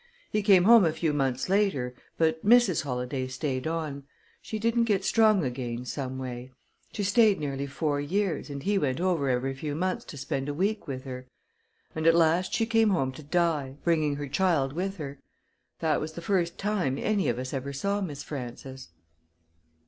He came home a few months later, but Mrs. Holladay stayed on. She didn't get strong again, some way. She stayed nearly four years, and he went over every few months to spend a week with her; and at last she came home to die, bringing her child with her. That was the first time any of us ever saw Miss Frances."